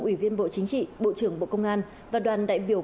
ủy viên bộ chính trị bộ trưởng bộ công an và đoàn đại biểu